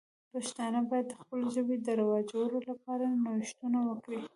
پښتانه باید د خپلې ژبې د رواجولو لپاره نوښتونه وکړي.